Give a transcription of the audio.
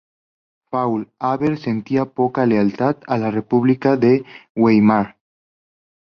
Faulhaber sentía poca lealtad a la República de Weimar.